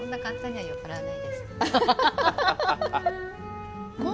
はい。